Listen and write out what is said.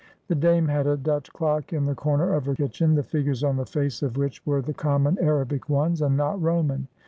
The Dame had a Dutch clock in the corner of her kitchen, the figures on the face of which were the common Arabic ones, and not Roman.